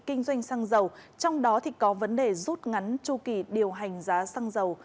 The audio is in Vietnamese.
kinh doanh xăng dầu trong đó có vấn đề rút ngắn chu kỳ điều hành giá xăng dầu